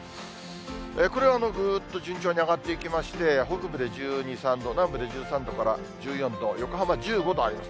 これはぐっと順調に上がっていきまして、北部で１２、３度、南部で１３度から１４度、横浜１５度あります。